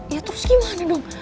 ya terus gimana dong